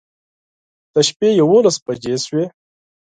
د شپې يوولس بجې شوې